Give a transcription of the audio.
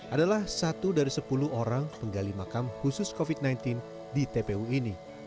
adalah satu dari sepuluh orang penggali makam khusus covid sembilan belas di tpu ini